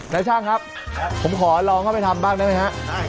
นายช่างครับผมขอลองเข้าไปทำบ้างได้ไหมฮะ